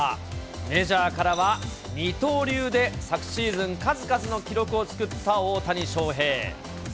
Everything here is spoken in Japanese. メジャーからは、二刀流で昨シーズン数々の記録を作った大谷翔平。